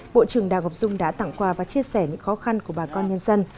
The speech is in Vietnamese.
bộ trưởng đào ngọc dung đã tặng quà và chia sẻ những khó khăn của bà con nhân dân